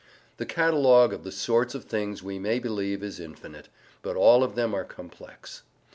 The catalogue of the sorts of things we may believe is infinite, but all of them are complex.